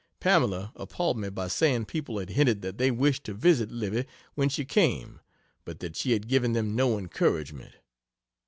Pamela appalled me by saying people had hinted that they wished to visit Livy when she came, but that she had given them no encouragement.